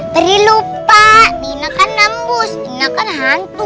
beri lupa nina kan nambus nina kan hantu